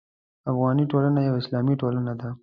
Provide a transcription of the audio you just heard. افغاني ټولنه یوه اسلامي ټولنه ده.